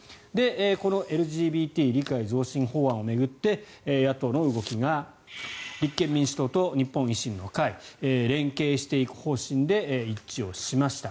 このＬＧＢＴ理解増進法案を巡って野党の動きが立憲民主党と日本維新の会連携していく方針で一致しました。